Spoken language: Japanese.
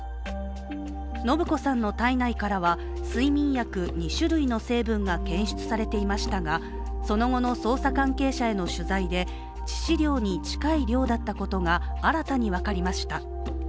延子さんの体内からは、睡眠薬２種類の成分が検出されていましたがその後の捜査関係者への取材で致死量に近い量だったことが新たに分かりました。